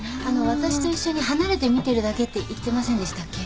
私と一緒に離れて見てるだけって言ってませんでしたっけ？